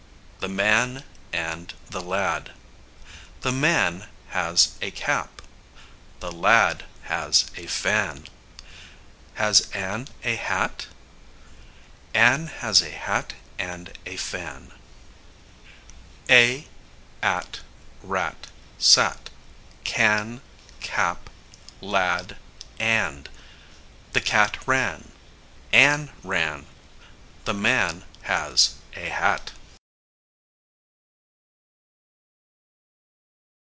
The man and the lad. The man has a cap. The lad has a fan. Has Ann a hat? Ann has a hat and a fan. [Illustration: Script Exercise: a at rat sat can cap lad and The cat ran. Ann ran. The man has a hat.